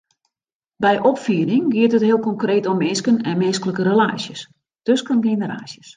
By opfieding giet it heel konkreet om minsken en minsklike relaasjes tusken generaasjes.